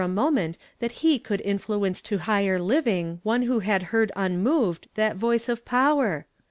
I moment that he could influence to higher living one who had heard unmoved that voice of power?